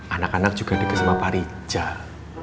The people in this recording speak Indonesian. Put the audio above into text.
anak anak juga deket sama pak rijal